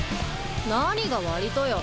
何が割とよ。